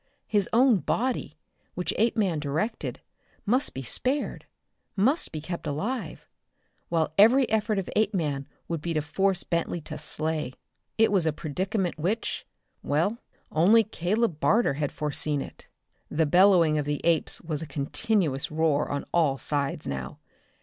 His own body, which Apeman directed, must be spared, must be kept alive while every effort of Apeman would be to force Bentley to slay! It was a predicament which well, only Caleb Barter had foreseen it. The bellowing of the apes was a continuous roar on all sides now.